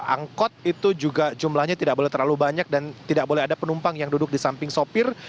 angkot itu juga jumlahnya tidak boleh terlalu banyak dan tidak boleh ada penumpang yang duduk di samping sopir